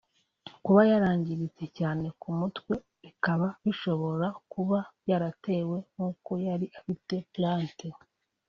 kuba yarangiritse cyane ku mutwe bikaba bishobora kuba byaratewe n’uko yari afite ‘plante’